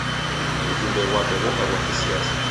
W'ujumbe ghwape ghoka ghwa kisiasa.